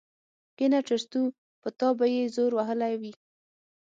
کېنه ټرتو په تا به يې زور وهلی وي.